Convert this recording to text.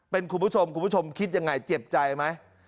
เป็นคุณผู้ชมคุณผู้ชมคิดยังไงเจ็บใจไหม